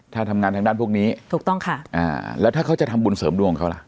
ถ้าทำงานทางด้านพวกนี้ถูกต้องค่ะอ่าแล้วถ้าเขาจะทำบุญเสริมดวงเขาล่ะ